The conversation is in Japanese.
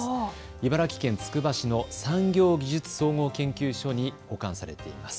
茨城県つくば市の産業技術総合研究所に保管されています。